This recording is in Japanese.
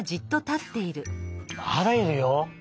まだいるよ。